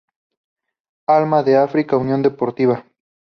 Alma de África Unión Deportiva